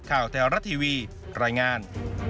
ข่าวแท้รัฐทีวีรายงาน